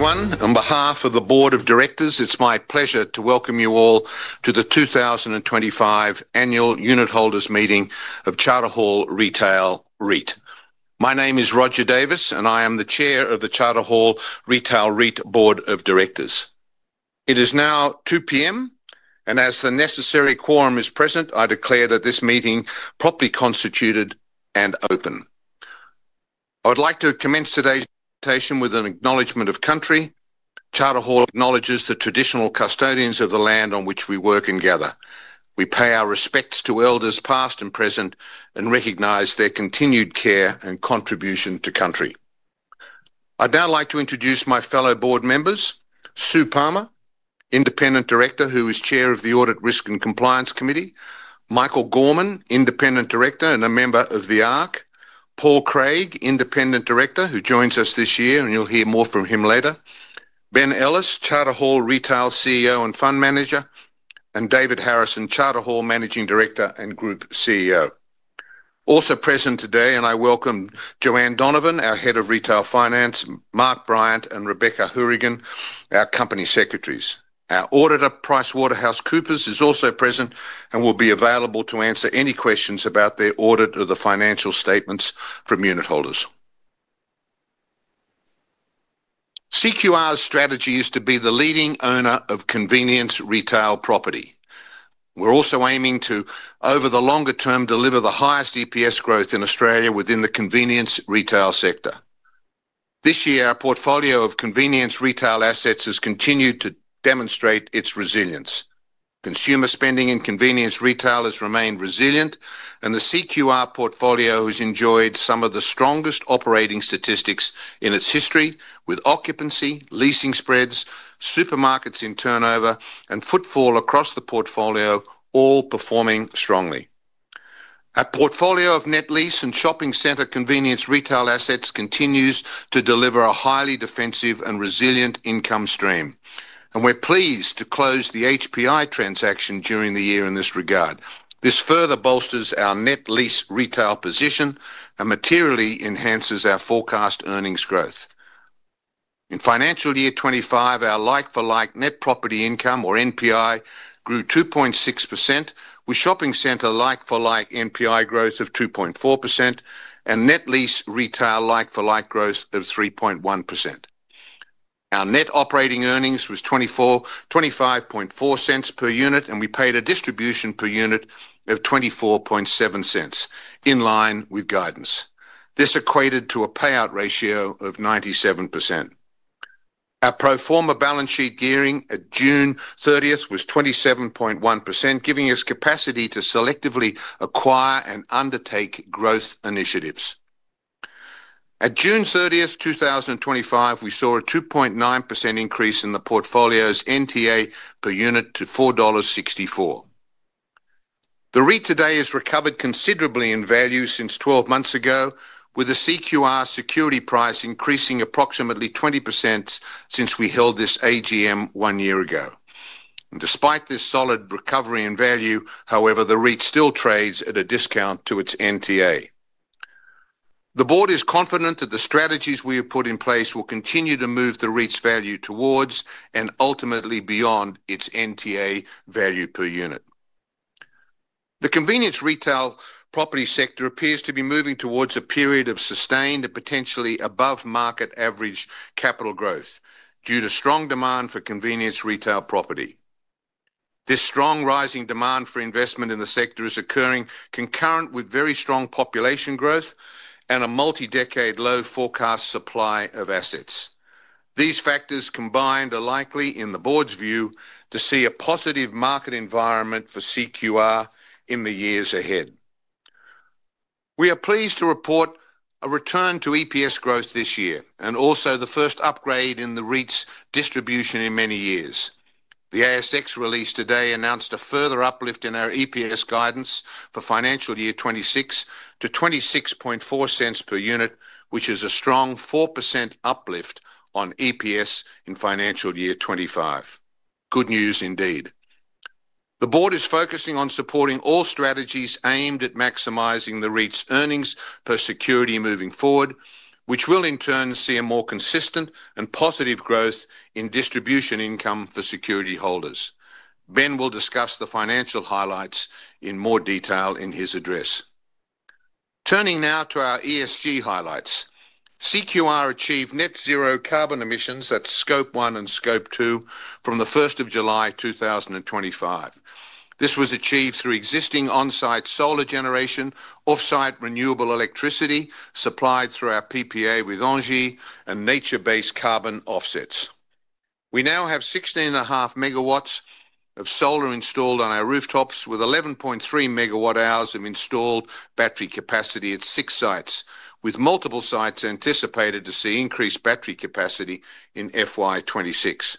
Everyone, on behalf of the Board of Directors, it's my pleasure to welcome you all to the 2025 annual unit holders meeting of Charter Hall Retail REIT. My name is Roger Davis and I am the Chair of the Charter Hall Retail REIT Board of Directors. It is now 2:00 P.M. and as the necessary quorum is present, I declare that this meeting properly constituted and open. I would like to commence today's presentation with an Acknowledgement of Country. Charter Hall acknowledges the traditional custodians of the land on which we work and gather. We pay our respects to elders past and present and recognize their continued care and contribution to country. I'd now like to introduce my fellow Board members, Sue Palmer, Independent Director, who is Chair of the Audit Risk and Compliance Committee; Michael Gorman, Independent Director and a member of the ARCC; Paul Craig, Independent Director, who joins us this year and you'll hear more from him later; Ben Ellis, Charter Hall Retail CEO and Fund Manager; and David Harrison, Charter Hall Managing Director and Group CEO. Also present today, and I welcome Joanne Donovan, our Head of Retail Finance; Mark Bryant and Rebecca Hourigan, our Company Secretaries. Our Auditor, PricewaterhouseCoopers, is also present and will be available to answer any questions about their audit of the financial statements from unit holders. CQR's strategy is to be the leading owner of convenience retail property. We're also aiming to, over the longer term, deliver the highest EPS growth in Australia within the convenience retail sector. This year, our portfolio of convenience retail assets has continued to demonstrate its resilience. Consumer spending in convenience retail has remained resilient and the CQR portfolio has enjoyed some of the strongest operating statistics in its history, with occupancy, leasing spreads, supermarkets in turnover, and footfall across the portfolio all performing strongly. Our portfolio of net lease and shopping center convenience retail assets continues to deliver a highly defensive and resilient income stream, and we're pleased to close the HPI transaction during the year in this regard. This further bolsters our net lease retail position and materially enhances our forecast earnings growth. In financial year 2025, our like-for-like net property income, or NPI, grew 2.6%, with shopping center like-for-like NPI growth of 2.4% and net lease retail like-for-like growth of 3.1%. Our net operating earnings were $0.254 per unit and we paid a distribution per unit of $0.247, in line with guidance. This equated to a payout ratio of 97%. Our pro forma balance sheet gearing at June 30th, 2025, was 27.1%, giving us capacity to selectively acquire and undertake growth initiatives. At June 30th, 2025, we saw a 2.9% increase in the portfolio's NTA per unit to $4.64. The REIT today has recovered considerably in value since 12 months ago, with the CQR security price increasing approximately 20% since we held this AGM one year ago. Despite this solid recovery in value, however, the REIT still trades at a discount to its NTA. The Board is confident that the strategies we have put in place will continue to move the REIT's value towards and ultimately beyond its NTA value per unit. The convenience retail property sector appears to be moving towards a period of sustained and potentially above-market average capital growth due to strong demand for convenience retail property. This strong rising demand for investment in the sector is occurring concurrent with very strong population growth and a multi-decade low forecast supply of assets. These factors combined are likely, in the Board's view, to see a positive market environment for CQR in the years ahead. We are pleased to report a return to EPS growth this year and also the first upgrade in the REIT's distribution in many years. The ASX release today announced a further uplift in our EPS guidance for financial year 2026 to $0.264 per unit, which is a strong 4% uplift on EPS in financial year 2025. Good news indeed. The Board is focusing on supporting all strategies aimed at maximizing the REIT's earnings per security moving forward, which will in turn see a more consistent and positive growth in distribution income for security holders. Ben will discuss the financial highlights in more detail in his address. Turning now to our ESG highlights, CQR achieved net zero carbon emissions at Scope 1 and Scope 2 from 1st of July, 2025. This was achieved through existing on-site solar generation, off-site renewable electricity supplied through our PPA with Engie and nature-based carbon offsets. We now have 16.5 MW of solar installed on our rooftops, with 11.3 MWh of installed battery capacity at six sites, with multiple sites anticipated to see increased battery capacity in FY 2026.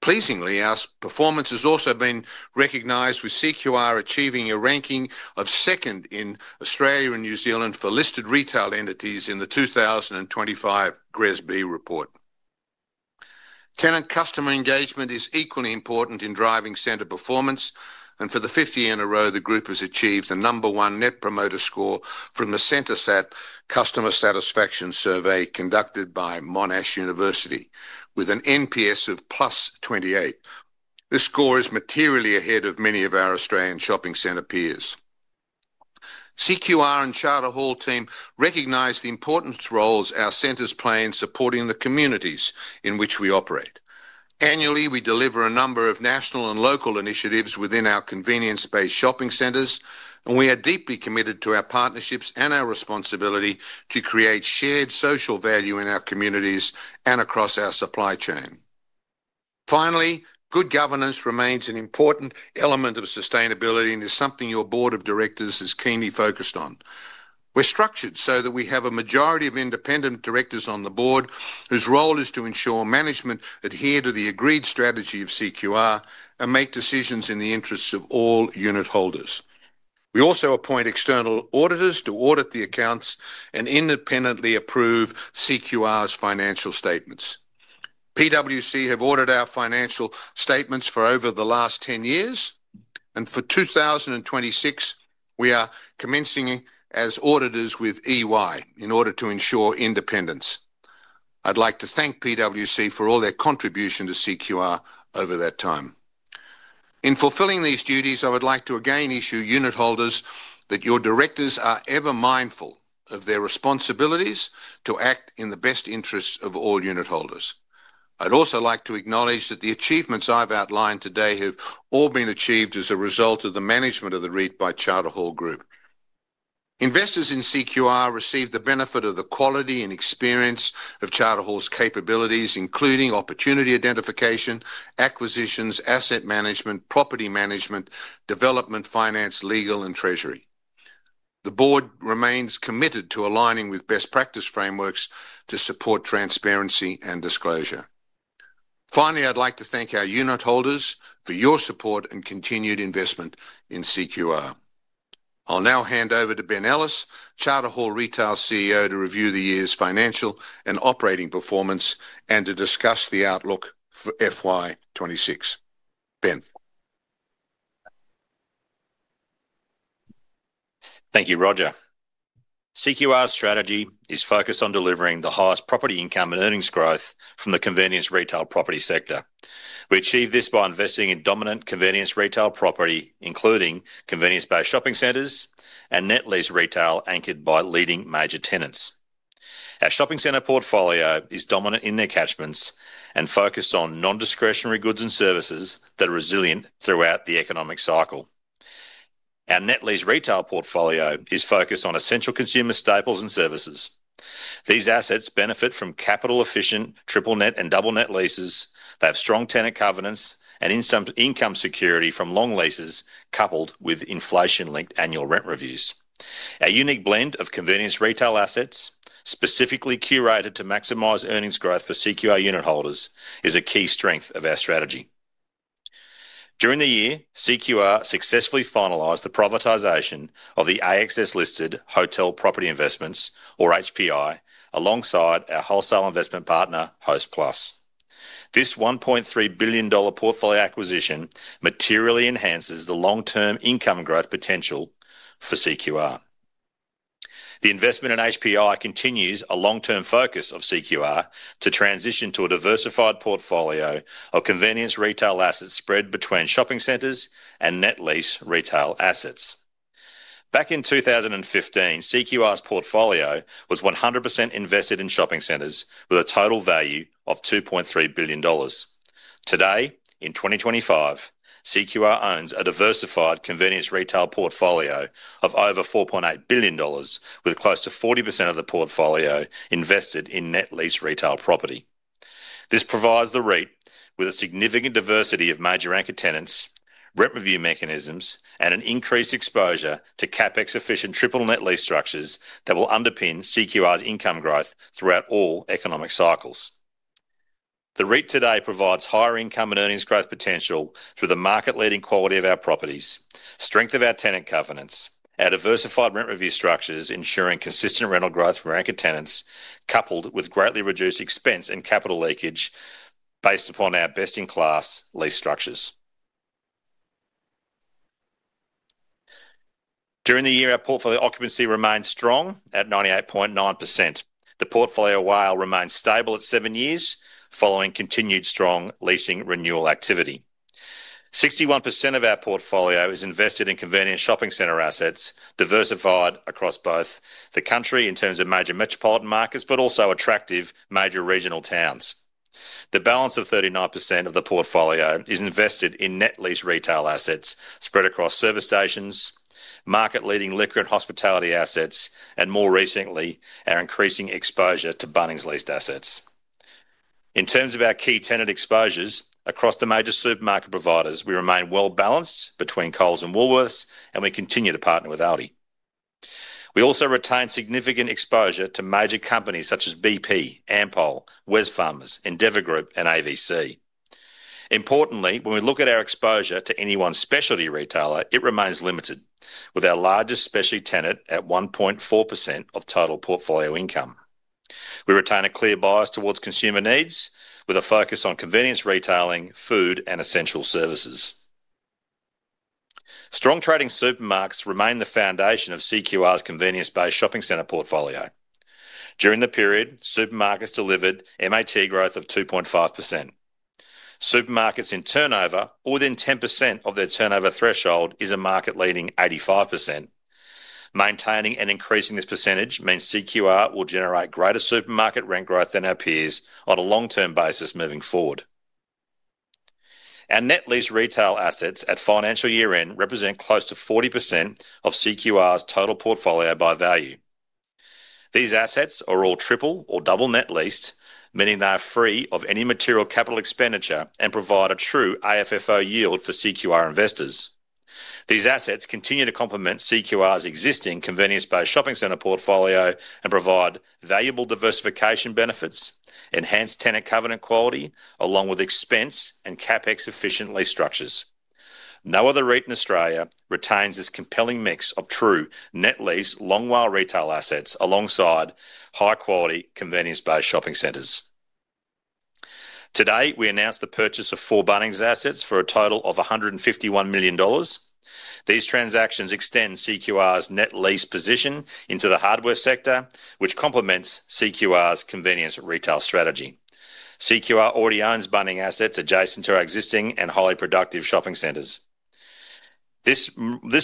Pleasingly, our performance has also been recognized with CQR achieving a ranking of second in Australia and New Zealand for listed retail entities in the 2025 GRESB report. Tenant customer engagement is equally important in driving center performance, and for the fifth year in a row, the Group has achieved the number one Net Promoter Score from the CentreSAT Customer Satisfaction Survey conducted by Monash University, with an NPS of +28. This score is materially ahead of many of our Australian shopping center peers. CQR and Charter Hall team recognize the important roles our centers play in supporting the communities in which we operate. Annually, we deliver a number of national and local initiatives within our convenience-based shopping centers, and we are deeply committed to our partnerships and our responsibility to create shared social value in our communities and across our supply chain. Finally, good governance remains an important element of sustainability, and it's something your Board of Directors is keenly focused on. We're structured so that we have a majority of independent directors on the Board whose role is to ensure management adheres to the agreed strategy of CQR and makes decisions in the interests of all unit holders. We also appoint external auditors to audit the accounts and independently approve CQR's financial statements. PwC have audited our financial statements for over the last 10 years, and for 2026, we are commencing as auditors with EY in order to ensure independence. I'd like to thank PwC for all their contribution to CQR over that time. In fulfilling these duties, I would like to again assure unit holders that your directors are ever mindful of their responsibilities to act in the best interests of all unit holders. I'd also like to acknowledge that the achievements I've outlined today have all been achieved as a result of the management of the REIT by Charter Hall Group. Investors in CQR receive the benefit of the quality and experience of Charter Hall's capabilities, including opportunity identification, acquisitions, asset management, property management, development, finance, legal, and treasury. The Board remains committed to aligning with best practice frameworks to support transparency and disclosure. Finally, I'd like to thank our unit holders for your support and continued investment in CQR. I'll now hand over to Ben Ellis, Charter Hall Retail CEO, to review the year's financial and operating performance and to discuss the outlook for FY 2026. Ben? Thank you, Roger. CQR's strategy is focused on delivering the highest property income and earnings growth from the convenience retail property sector. We achieve this by investing in dominant convenience retail property, including convenience-based shopping centers and net lease retail anchored by leading major tenants. Our Shopping Center Portfolio is dominant in their catchments and focused on non-discretionary goods and services that are resilient throughout the economic cycle. Our net lease retail portfolio is focused on essential consumer staples and services. These assets benefit from capital-efficient triple net and double net leases. They have strong tenant governance and income security from long leases, coupled with inflation-linked annual rent reviews. A unique blend of convenience retail assets, specifically curated to maximize earnings growth for CQR Unitholders, is a key strength of our strategy. During the year, CQR successfully finalized the privatization of the ASX-listed Hotel Property Investments, or HPI, alongside our wholesale investment partner, Hostplus. This $1.3 billion portfolio acquisition materially enhances the long-term income growth potential for CQR. The investment in HPI continues a long-term focus of CQR to transition to a diversified portfolio of convenience retail assets spread between shopping centers and net lease retail assets. Back in 2015, CQR's portfolio was 100% invested in shopping centers, with a total value of $2.3 billion. Today, in 2025, CQR owns a diversified convenience retail portfolio of over $4.8 billion, with close to 40% of the portfolio invested in net lease retail property. This provides the REIT with a significant diversity of major anchor tenants, rent review mechanisms, and an increased exposure to CapEx-efficient triple net lease structures that will underpin CQR's income growth throughout all economic cycles. The REIT today provides higher income and earnings growth potential through the market-leading quality of our properties, strength of our tenant governance, our diversified rent review structures ensuring consistent rental growth from anchor tenants, coupled with greatly reduced expense and capital leakage based upon our best-in-class lease structures. During the year, our portfolio occupancy remains strong at 98.9%. The portfolio WALE remains stable at seven years following continued strong leasing renewal activity. 61% of our portfolio is invested in convenience shopping center assets diversified across both the country in terms of major metropolitan markets, but also attractive major regional towns. The balance of 39% of the portfolio is invested in net lease retail assets spread across service stations, market-leading liquor and hospitality assets, and more recently, our increasing exposure to Bunnings leased assets. In terms of our key tenant exposures across the major supermarket providers, we remain well balanced between Coles and Woolworths, and we continue to partner with Aldi. We also retain significant exposure to major companies such as BP, Ampol, Wesfarmers, Endeavour Group, and AVC. Importantly, when we look at our exposure to any one specialty retailer, it remains limited, with our largest specialty tenant at 1.4% of total portfolio income. We retain a clear bias towards consumer needs, with a focus on convenience retailing, food, and essential services. Strong trading supermarkets remain the foundation of CQR's convenience-based Shopping Center Portfolio. During the period, supermarkets delivered MAT growth of 2.5%. Supermarkets in turnover, or within 10% of their turnover threshold, is a market-leading 85%. Maintaining and increasing this percentage means CQR will generate greater supermarket rent growth than our peers on a long-term basis moving forward. Our net lease retail assets at financial year-end represent close to 40% of CQR's total portfolio by value. These assets are all triple or double net leased, meaning they are free of any material capital expenditure and provide a true AFFO yield for CQR investors. These assets continue to complement CQR's existing convenience-based Shopping Center Portfolio and provide valuable diversification benefits, enhanced tenant governance quality, along with expense and CapEx-efficient lease structures. No other REIT in Australia retains this compelling mix of true net lease long-well retail assets alongside high-quality convenience-based shopping centers. Today, we announced the purchase of four Bunnings assets for a total of $151 million. These transactions extend CQR's net lease position into the hardware sector, which complements CQR's convenience retail strategy. CQR already owns Bunnings assets adjacent to our existing and highly productive shopping centers. This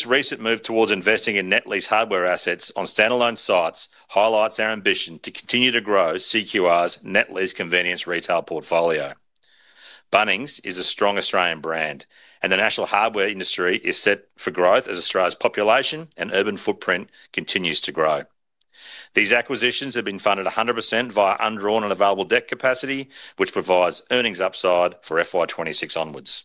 recent move towards investing in net lease hardware assets on standalone sites highlights our ambition to continue to grow CQR's net lease convenience retail portfolio. Bunnings is a strong Australian brand, and the national hardware industry is set for growth as Australia's population and urban footprint continue to grow. These acquisitions have been funded 100% via undrawn and available debt capacity, which provides earnings upside for FY 2026 onwards.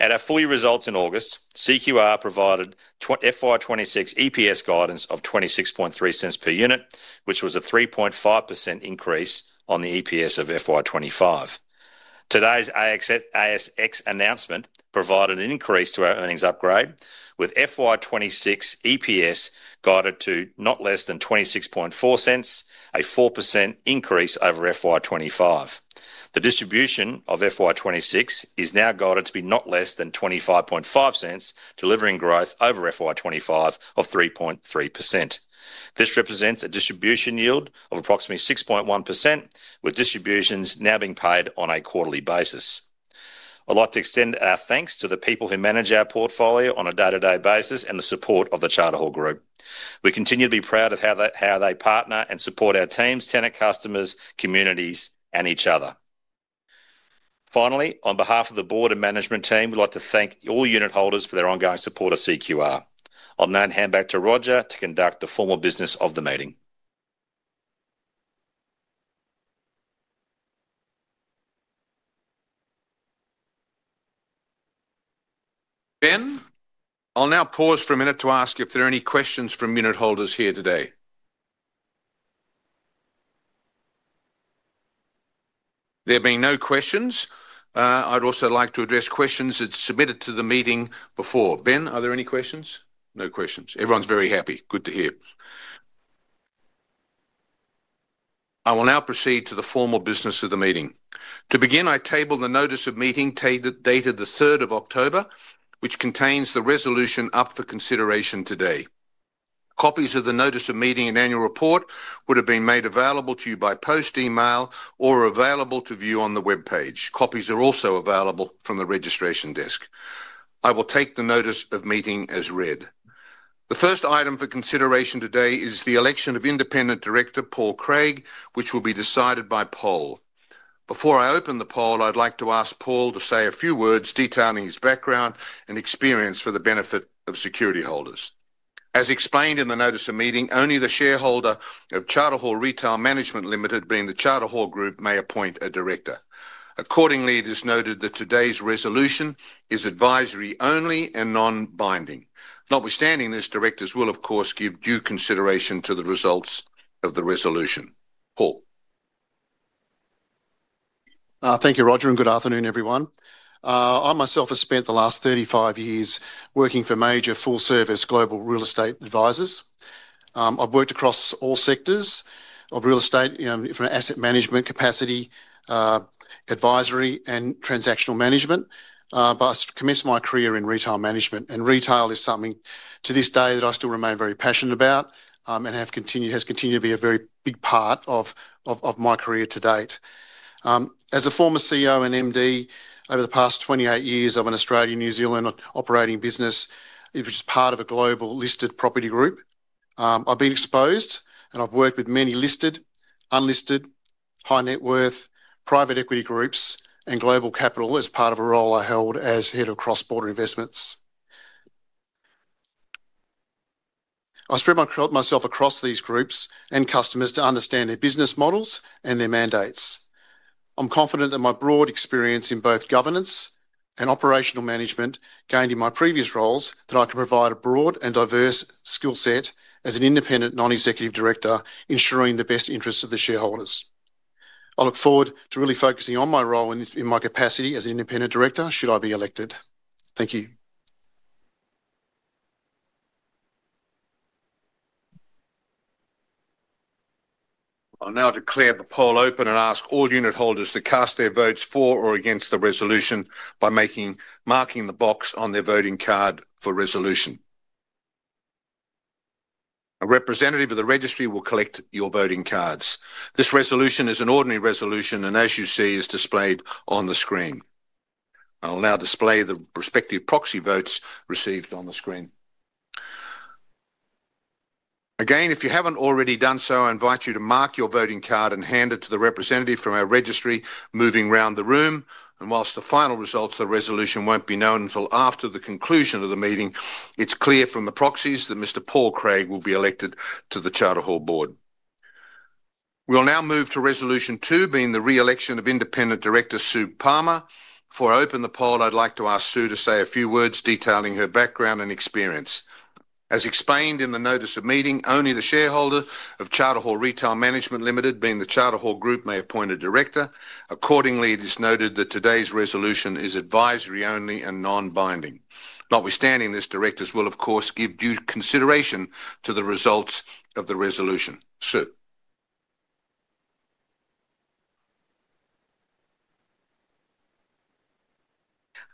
At our full year results in August, CQR provided FY 2026 EPS guidance of $0.263 per unit, which was a 3.5% increase on the EPS FY 2025. today's ASX announcement provided an increase to our earnings upgrade, with FY 2026 EPS guided to not less than $0.264, a 4% increase FY 2025. the distribution of FY 2026 is now guided to be not less than $0.255, delivering growth FY 2025 of 3.3%. This represents a distribution yield of approximately 6.1%, with distributions now being paid on a quarterly basis. I'd like to extend our thanks to the people who manage our portfolio on a day-to-day basis and the support of the Charter Hall Group. We continue to be proud of how they partner and support our teams, tenant customers, communities, and each other. Finally, on behalf of the Board and management team, we'd like to thank all unit holders for their ongoing support of CQR. I'll now hand back to Roger to conduct the formal business of the meeting. Ben, I'll now pause for a minute to ask you if there are any questions from unit holders here today. There have been no questions. I'd also like to address questions that were submitted to the meeting before. Ben, are there any questions? No questions. Everyone's very happy. Good to hear. I will now proceed to the formal business of the meeting. To begin, I table the notice of meeting dated the 3rd of October, which contains the resolution up for consideration today. Copies of the notice of meeting and annual report would have been made available to you by post, email, or available to view on the webpage. Copies are also available from the registration desk. I will take the notice of meeting as read. The first item for consideration today is the election of Independent Director Paul Craig, which will be decided by poll. Before I open the poll, I'd like to ask Paul to say a few words detailing his background and experience for the benefit of security holders. As explained in the notice of meeting, only the shareholder of Charter Hall Retail Management Limited, being the Charter Hall Group, may appoint a director. Accordingly, it is noted that today's resolution is advisory only and non-binding. Notwithstanding this, directors will, of course, give due consideration to the results of the resolution. Paul. Thank you, Roger, and good afternoon, everyone. I, myself, have spent the last 35 years working for major full-service global real estate advisors. I've worked across all sectors of real estate, from asset management capacity, advisory, and transactional management, but I commenced my career in retail management. Retail is something to this day that I still remain very passionate about and has continued to be a very big part of my career to date. As a former CEO and MD over the past 28 years of an Australian-New Zealand operating business, which is part of a global listed property group, I've been exposed and I've worked with many listed, unlisted, high net worth, private equity groups, and global capital as part of a role I held as Head of Cross Border Investments. I spread myself across these groups and customers to understand their business models and their mandates. I'm confident that my broad experience in both governance and operational management gained in my previous roles means that I can provide a broad and diverse skill set as an Independent Non-Executive Director, ensuring the best interests of the shareholders. I look forward to really focusing on my role in my capacity as an Independent Director should I be elected. Thank you. I'll now declare the poll open and ask all unit holders to cast their votes for or against the resolution by marking the box on their voting card for resolution. A representative of the registry will collect your voting cards. This resolution is an ordinary resolution, and, as you see, is displayed on the screen. I'll now display the respective proxy votes received on the screen. If you haven't already done so, I invite you to mark your voting card and hand it to the representative from our registry moving around the room. Whilst the final results of the resolution won't be known until after the conclusion of the meeting, it's clear from the proxies that Mr. Paul Craig will be elected to the Charter Hall Board. We'll now move to Resolution 2, being the reelection of Independent Director Sue Palmer. Before I open the poll, I'd like to ask Sue to say a few words detailing her background and experience. As explained in the notice of meeting, only the shareholder of Charter Hall Retail Management Limited, being the Charter Hall Group, may appoint a director. Accordingly, it is noted that today's resolution is advisory only and non-binding. Notwithstanding this, directors will, of course, give due consideration to the results of the resolution. Sue.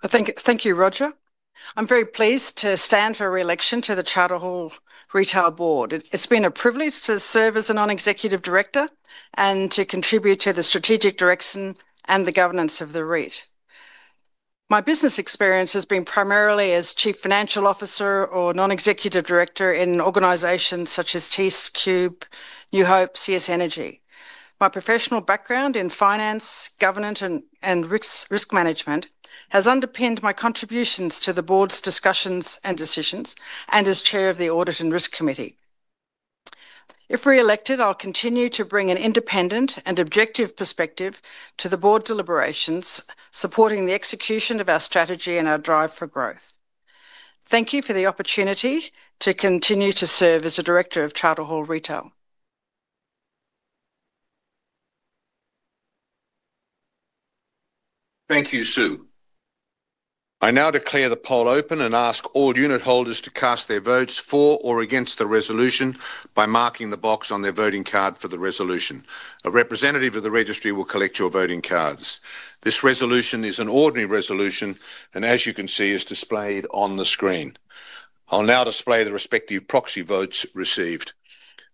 Thank you, Roger. I'm very pleased to stand for reelection to the Charter Hall Retail Board. It's been a privilege to serve as a Non-Executive Director and to contribute to the strategic direction and the governance of the REIT. My business experience has been primarily as Chief Financial Officer or Non-Executive Director in organizations such as Teys, Qube, New Hope, and CS Energy. My professional background in finance, governance, and risk management has underpinned my contributions to the Board's discussions and decisions and as Chair of the Audit and Risk Committee. If reelected, I'll continue to bring an independent and objective perspective to the Board deliberations, supporting the execution of our strategy and our drive for growth. Thank you for the opportunity to continue to serve as a Director of Charter Hall Retail. Thank you, Sue. I now declare the poll open and ask all unit holders to cast their votes for or against the resolution by marking the box on their voting card for the resolution. A representative of the registry will collect your voting cards. This resolution is an ordinary resolution and, as you can see, is displayed on the screen. I'll now display the respective proxy votes received.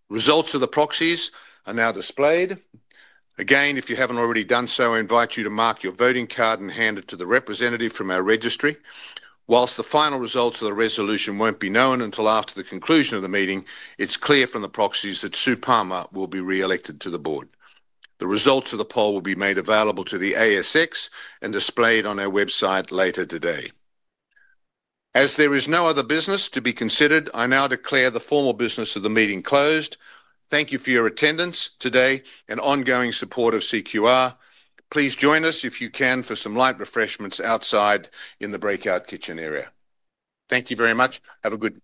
Results of the proxies are now displayed. Again, if you haven't already done so, I invite you to mark your voting card and hand it to the representative from our registry. Whilst the final results of the resolution won't be known until after the conclusion of the meeting, it's clear from the proxies that Sue Palmer will be reelected to the Board. The results of the poll will be made available to the ASX and displayed on our website later today. As there is no other business to be considered, I now declare the formal business of the meeting closed. Thank you for your attendance today and ongoing support of CQR. Please join us if you can for some light refreshments outside in the breakout kitchen area. Thank you very much. Have a good day.